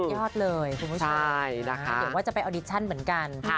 ยอดเลยคุณผู้ชมเห็นว่าจะไปออดิชั่นเหมือนกัน